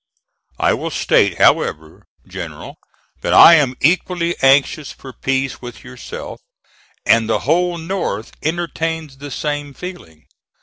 I will state, however, General, that I am equally anxious for peace with yourself, and the whole North entertains the same feeling.